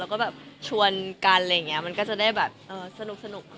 แล้วก็ชวนกันมันก็จะได้แบบสนุกมากกว่า